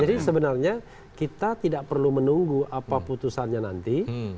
jadi sebenarnya kita tidak perlu menunggu apa putusannya nanti